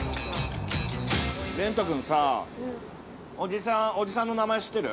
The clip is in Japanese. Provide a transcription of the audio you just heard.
◆れんと君さあ、おじさんの名前知ってる？